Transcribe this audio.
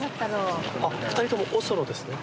２人ともおそろですね。